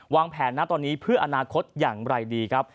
แผนนะตอนนี้เพื่ออนาคตอย่างไรดีครับ